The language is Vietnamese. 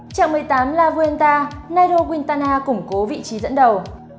trạng một mươi tám la fuente nairo quintana củng cố vị trí dẫn đầu